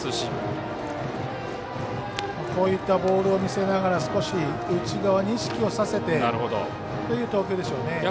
こういったボールを見せながら少し内側に意識をさせてという投球でしょうね。